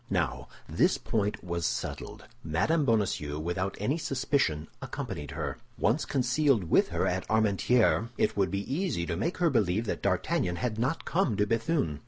Now, this point was settled; Mme. Bonacieux, without any suspicion, accompanied her. Once concealed with her at Armentières, it would be easy to make her believe that D'Artagnan had not come to Béthune.